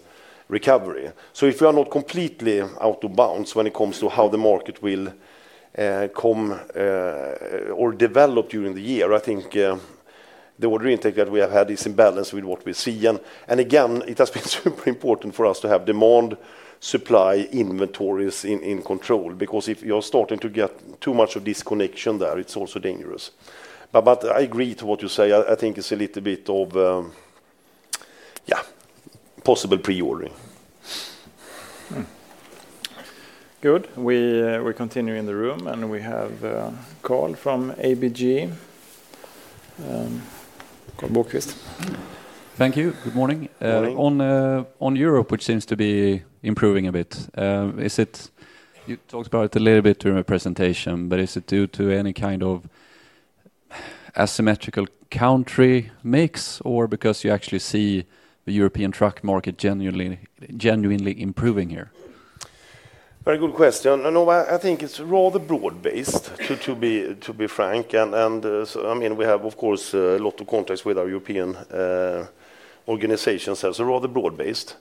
recovery. So if we are not completely out of bounds when it comes to how the market will come or develop during the year, I think they would really think that we have had this imbalance with what we see. Again, it has been super important for us to have demand, supply, inventories in control, because if you are starting to get too much of disconnection there, it's also dangerous. But I agree to what you say. I think it's a little bit of, yeah, possible pre-ordering. Hmm. Good. We continue in the room, and we have Karl from ABG, Karl Bokvist. Thank you. Good morning. Morning. On Europe, which seems to be improving a bit, is it, you talked about it a little bit during your presentation, but is it due to any kind of asymmetrical country mix, or because you actually see the European truck market genuinely, genuinely improving here? Very good question. I know, I think it's rather broad-based, to be frank, and so I mean, we have, of course, a lot of contacts with our European organizations, so it's rather broad-based.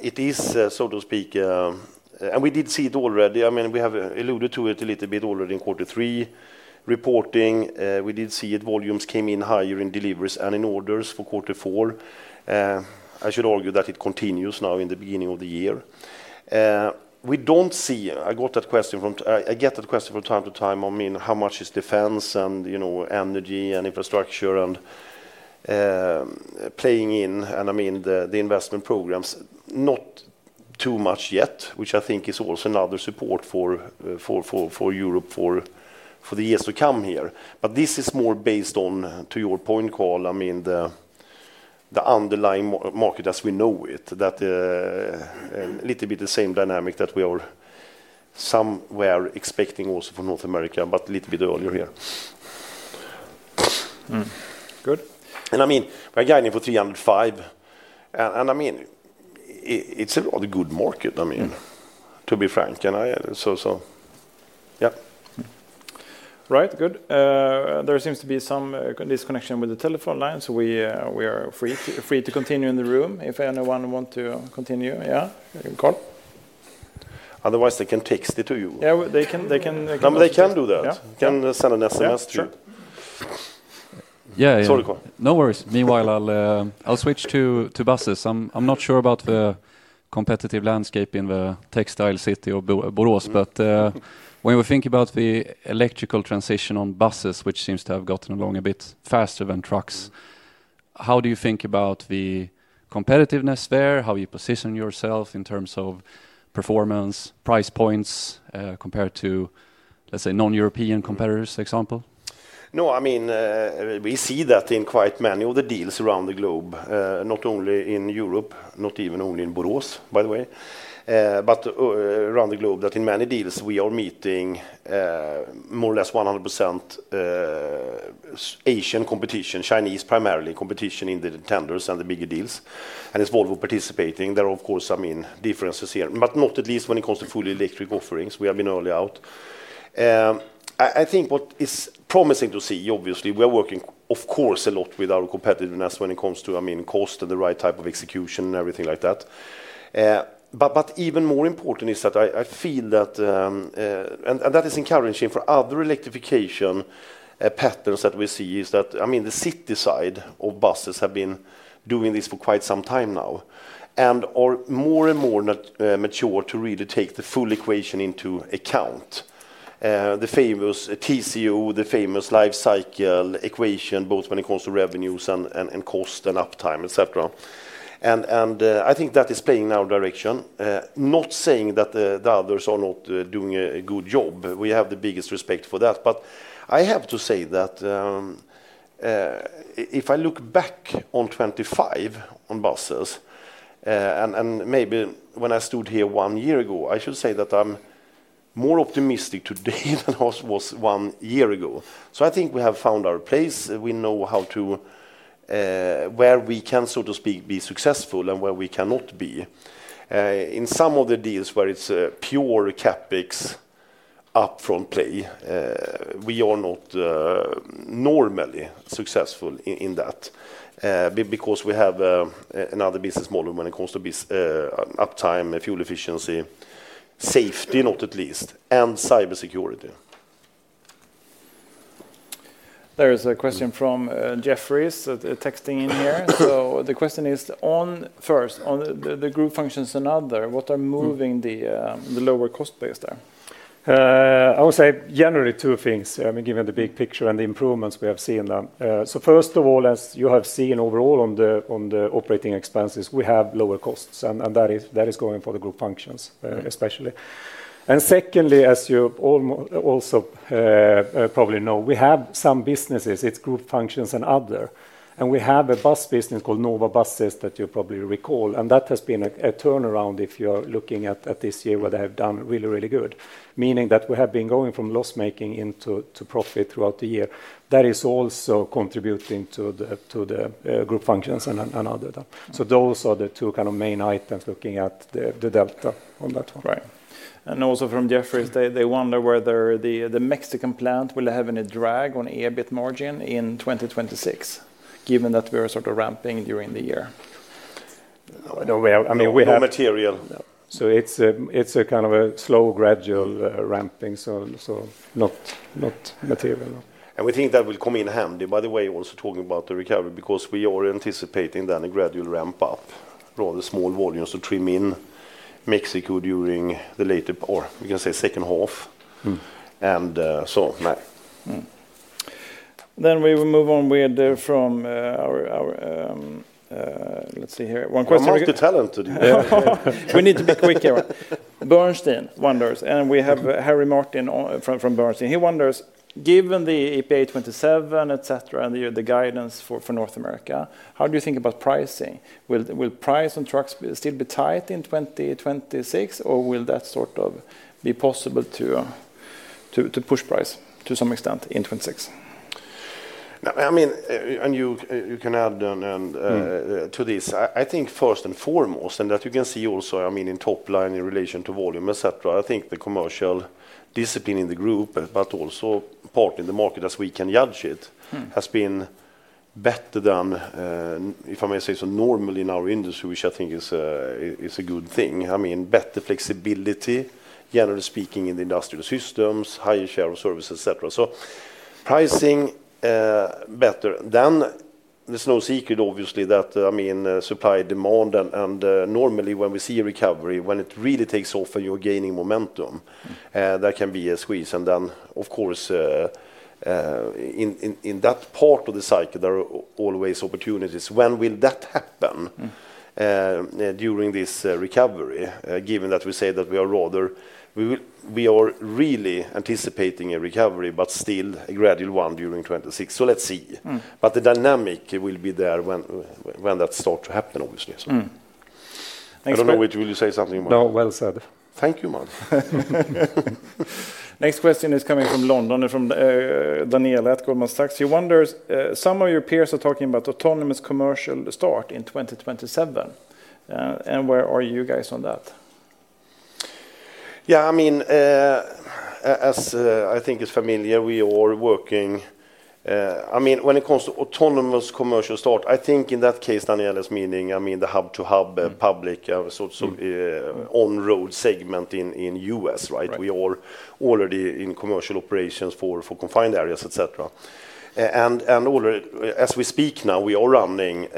It is, so to speak. We did see it already. I mean, we have alluded to it a little bit already in quarter three reporting. We did see it, volumes came in higher in deliveries and in orders for quarter four. I should argue that it continues now in the beginning of the year. We don't see—I get that question from time to time, on, I mean, how much is defense and, you know, energy and infrastructure and playing in, and I mean, the investment programs. Not too much yet, which I think is also another support for Europe for the years to come here. But this is more based on, to your point, Karl, I mean, the underlying market as we know it, that a little bit the same dynamic that we are somewhere expecting also from North America, but a little bit earlier here. Hmm, good. I mean, we're guiding for 305, and I mean, it's a rather good market, I mean to be frank, so yeah. Right. Good. There seems to be some disconnection with the telephone line, so we are free to continue in the room if anyone want to continue. Yeah, you can call. Otherwise, they can text it to you. Yeah, well, they can, they can. No, they can do that. Yeah. They can send an SMS to you. Yeah, sure. Yeah, yeah. Sorry, Karl. No worries. Meanwhile, I'll switch to buses. I'm not sure about the competitive landscape in the textile city of Borås, but when we think about the electrical transition on buses, which seems to have gotten along a bit faster than trucks. How do you think about the competitiveness there? How you position yourself in terms of performance, price points, compared to, let's say, non-European competitors, example? No, I mean, we see that in quite many of the deals around the globe, not only in Europe, not even only in Borås, by the way, but around the globe, that in many deals, we are meeting more or less 100% Asian competition, Chinese primarily, competition in the tenders and the bigger deals. And as Volvo participating, there are, of course, I mean, differences here, but not at least when it comes to fully electric offerings. We have been early out. I think what is promising to see, obviously, we are working, of course, a lot with our competitiveness when it comes to, I mean, cost and the right type of execution and everything like that. But even more important is that I feel that... That is encouraging for other electrification patterns that we see. I mean, the city side of buses have been doing this for quite some time now, and are more and more mature to really take the full equation into account. The famous TCO, the famous life cycle equation, both when it comes to revenues and cost and uptime, et cetera. I think that is playing in our direction. Not saying that the others are not doing a good job. We have the biggest respect for that. But I have to say that if I look back on 2025 on buses, and maybe when I stood here one year ago, I should say that I'm more optimistic today than I was one year ago. So I think we have found our place. We know how to where we can, so to speak, be successful and where we cannot be. In some of the deals where it's a pure CapEx upfront play, we are not normally successful in that because we have another business model when it comes to business uptime, fuel efficiency, safety, not least, and cybersecurity. There is a question from Jefferies, texting in here. So the question is, on the group functions and other, what are moving the lower cost base there? I would say generally two things, I mean, given the big picture and the improvements we have seen now. So first of all, as you have seen overall on the operating expenses, we have lower costs, and that is going for the group functions, especially. And secondly, as you also probably know, we have some businesses, it's group functions and other, and we have a bus business called Nova Bus that you probably recall, and that has been a turnaround if you are looking at this year, where they have done really, really good. Meaning that we have been going from loss-making into profit throughout the year. That is also contributing to the group functions and other. So those are the two kind of main items, looking at the delta on that one. Right. And also from Jefferies, they wonder whether the Mexican plant will have any drag on EBIT margin in 2026, given that we are sort of ramping during the year? No, we have. I mean, we have. Not material. It's a kind of slow, gradual ramping, so not material, no. We think that will come in handy, by the way, also talking about the recovery, because we are anticipating then a gradual ramp up, rather small volumes to trim in Mexico during the later part, or we can say second half. Mm. So, yeah. Then we will move on from our, let's see here. One question- I'm multi-talented. Yeah. We need to be quicker. Bernstein wonders, and we have Harry Martin on, from Bernstein. He wonders, given the EPA 2027, et cetera, and the guidance for North America, how do you think about pricing? Will price on trucks still be tight in 2026, or will that sort of be possible to push price to some extent in 2026? Now, I mean, and you can add on, Mm.... to this. I, I think first and foremost, and that you can see also, I mean, in top line, in relation to volume, et cetera, I think the commercial discipline in the group, but also part in the market as we can judge it- Mm.... has been better than, if I may say so, normal in our industry, which I think is a good thing. I mean, better flexibility, generally speaking, in the industrial systems, higher share of services, et cetera. So pricing, better. Then there's no secret, obviously, that, I mean, supply, demand, and normally when we see a recovery, when it really takes off and you're gaining momentum, there can be a squeeze. And then, of course, in that part of the cycle, there are always opportunities. When will that happen- Mm... during this recovery? Given that we say that we are rather... We are really anticipating a recovery, but still a gradual one during 2026. So let's see. Mm. But the dynamic will be there when that start to happen, obviously. Mm. Thanks- I don't know, wait, will you say something more? No, well said. Thank you, man. Next question is coming from London, from Daniela at Goldman Sachs. She wonders, "Some of your peers are talking about autonomous commercial start in 2027, and where are you guys on that? Yeah, I mean, as I think is familiar, we are working... I mean, when it comes to autonomous commercial start, I think in that case, Daniela's meaning, I mean, the hub-to-hub- Mm.... public, sort of, on-road segment in U.S., right? Right. We are already in commercial operations for confined areas, et cetera. Already, as we speak now, we are running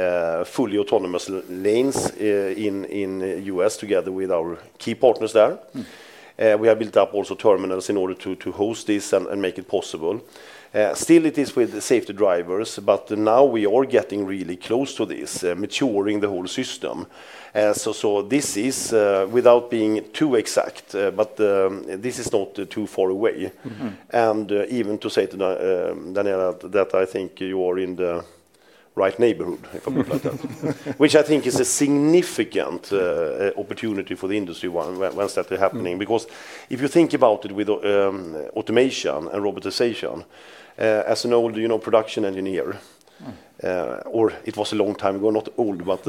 fully autonomous lanes in U.S., together with our key partners there. Mm. We have built up also terminals in order to host this and make it possible. Still it is with the safety drivers, but now we are getting really close to this, maturing the whole system. So this is, without being too exact, but this is not too far away. Mm-hmm. Even to say to Daniela that I think you are in the right neighborhood, if I put it like that. Which I think is a significant opportunity for the industry, once that is happening. Mm. Because if you think about it with automation and robotization, as an old, you know, production engineer- Mm.... or it was a long time ago, not old, but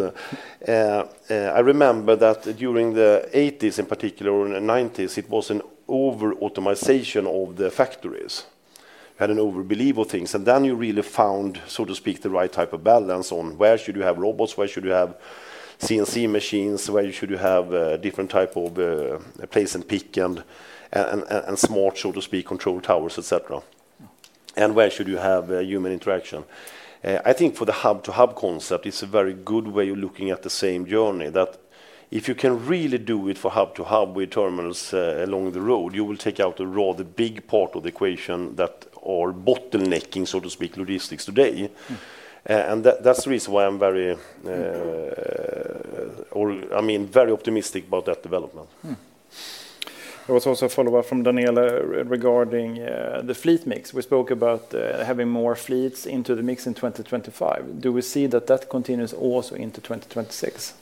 I remember that during the 1980s, in particular, or 1990s, it was an over-automation of the factories. Had an over-belief of things, and then you really found, so to speak, the right type of balance on where should you have robots, where should you have CNC machines, where should you have different type of place and pick, and smart, so to speak, control towers, et cetera. Mm. Where should you have human interaction? I think for the hub-to-hub concept, it's a very good way of looking at the same journey, that if you can really do it for hub-to-hub with terminals along the road, you will take out a rather big part of the equation that are bottlenecking, so to speak, logistics today. Mm. And that, that's the reason why I'm very, Mm. I mean, very optimistic about that development. There was also a follow-up from Daniela regarding the fleet mix. We spoke about having more fleets into the mix in 2025. Do we see that that continues also into 2026?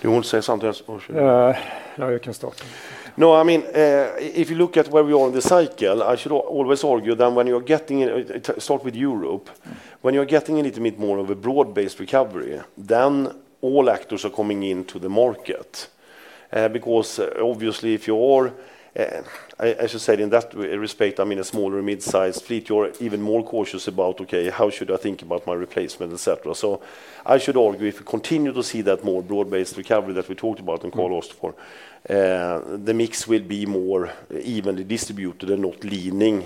Do you want to say something, or should I? No, you can start. No, I mean, if you look at where we are in the cycle, I should always argue that when you're getting, start with Europe- Mm.... when you're getting a little bit more of a broad-based recovery, then all actors are coming into the market. Because obviously, if you're, I should say in that respect, I mean, a smaller mid-size fleet, you're even more cautious about, "Okay, how should I think about my replacement," et cetera. So I should argue, if we continue to see that more broad-based recovery that we talked about and called- Mm... for, the mix will be more evenly distributed and not leaning-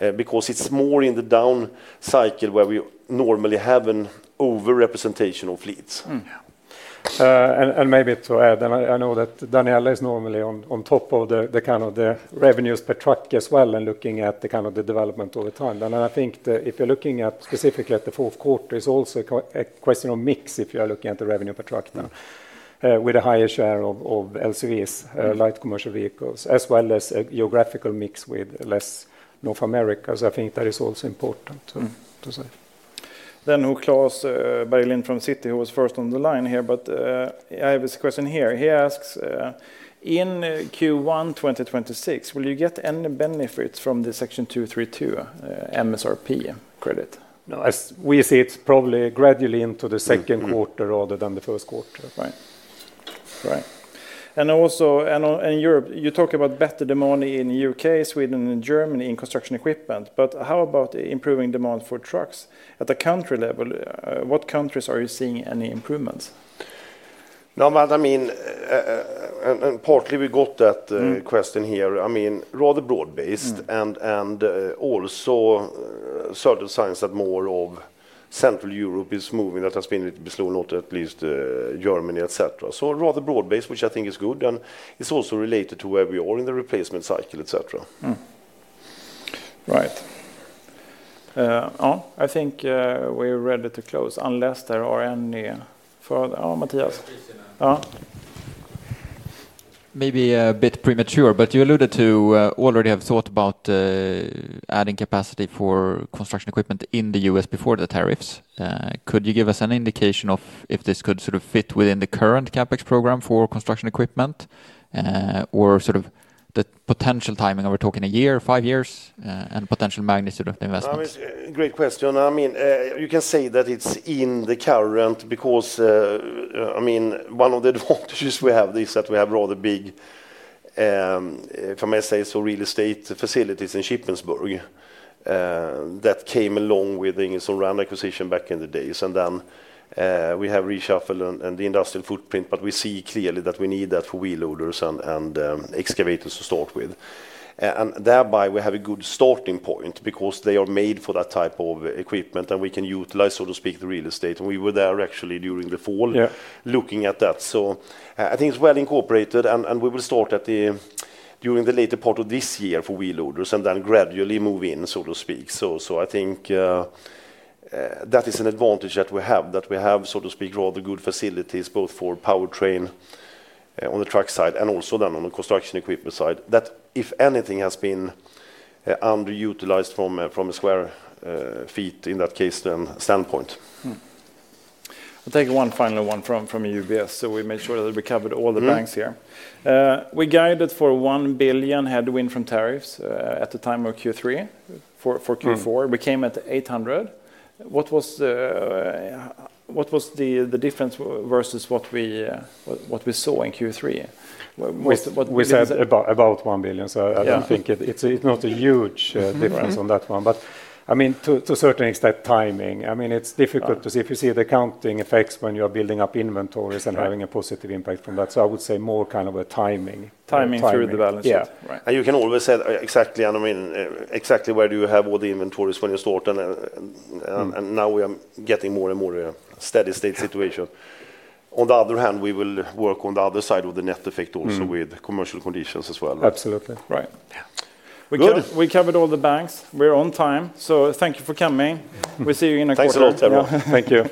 Yeah... because it's more in the down cycle where we normally have an over-representation of fleets. Mm-hmm. Yeah. And maybe to add, I know that Daniela is normally on top of the kind of revenues per truck as well, and looking at the kind of development over time. Then I think if you're looking at specifically at the fourth quarter, it's also a question of mix, if you are looking at the revenue per truck now. With a higher share of LCVs, light commercial vehicles, as well as a geographical mix with less North America, so I think that is also important to say. Then [question from] Klas Bergelind from Citi, who was first on the line here, but I have his question here. He asks, "In Q1 2026, will you get any benefits from the Section 232 MSRP credit? No, as we see, it's probably gradually into the second quarter- Mm, mm... rather than the first quarter. Right. And also, Europe, you talk about better demand in U.K., Sweden, and Germany in construction equipment, but how about improving demand for trucks? At the country level, what countries are you seeing any improvements? No, but I mean, and partly we got that, Mm... question here. I mean, rather broad-based- Mm... and also certain signs that more of Central Europe is moving. That has been a little bit slow, not least, Germany, et cetera. So rather broad-based, which I think is good, and it's also related to where we are in the replacement cycle, et cetera. Right. Oh, I think we are ready to close, unless there are any further... Oh, Mattias. Maybe a bit premature, but you alluded to, already have thought about, adding capacity for construction equipment in the U.S. before the tariffs. Could you give us an indication of if this could sort of fit within the current CapEx program for construction equipment, or sort of the potential timing? Are we talking a year, five years, and potential magnitude of the investments? It's a great question. I mean, you can say that it's in the current because, I mean, one of the advantages we have is that we have rather big, if I may say so, real estate facilities in Shippensburg that came along with the Ingersoll Rand acquisition back in the days. Then, we have reshuffled the industrial footprint, but we see clearly that we need that for wheel loaders and excavators to start with. And thereby, we have a good starting point because they are made for that type of equipment, and we can utilize, so to speak, the real estate. And we were there actually during the fall- Yeah... looking at that. So, I think it's well incorporated, and, and we will start at the, during the later part of this year for wheel loaders and then gradually move in, so to speak. So, I think that is an advantage that we have, that we have, so to speak, all the good facilities, both for powertrain, on the truck side and also then on the construction equipment side, that if anything has been, underutilized from a, from a square feet, in that case, then standpoint. Mm. I'll take one final one from UBS, so we make sure that we covered all the banks here. Mm. We guided for 1 billion headwind from tariffs at the time of Q3 for Q4. Mm... we came at 800 million. What was the difference versus what we saw in Q3? What was- We said about 1 billion. Yeah. I don't think it's not a huge Mm, mm... difference on that one. But, I mean, to, to a certain extent, timing. I mean, it's difficult- Right... to see. If you see the accounting effects when you are building up inventories- Right... and having a positive impact from that. So I would say more kind of a timing. Timing through the balance sheet. Yeah. Right. You can always say, exactly, and I mean, exactly where do you have all the inventories when you start, and now we are getting more and more a steady state situation. On the other hand, we will work on the other side of the net effect also. Mm.... with commercial conditions as well. Absolutely. Right. Yeah. We covered- Good. We covered all the banks. We're on time, so thank you for coming. We'll see you in a quarter. Thanks a lot, everyone. Thank you.